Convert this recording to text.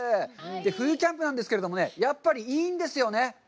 冬キャンプなんですけれどもね、やっぱりいいんですよね。